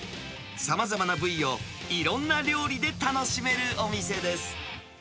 さまざまな部位をいろんな料理で楽しめるお店です。